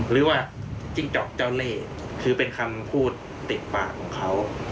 จิ้งจอกเจ้าเล่คือเป็นคำพูดติดปากของเขา